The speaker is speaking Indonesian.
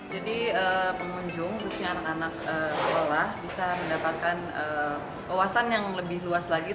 jadi pengunjung khususnya anak anak sekolah bisa mendapatkan wawasan yang lebih luas lagi